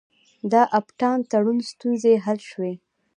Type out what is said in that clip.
د اپټا تړون ستونزې حل شوې؟